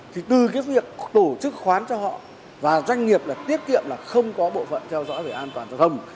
thì từ cái việc tổ chức khoán cho họ và doanh nghiệp là tiết kiệm là không có bộ phận theo dõi về an toàn giao thông